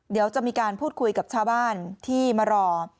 เดี๋ยวจะมีการพูดคุยกับชาวบ้านที่มารอ